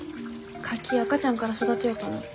カキ赤ちゃんから育てようと思って。